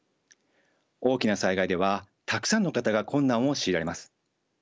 大きな災害ではたくさんの方が困難を強いられます。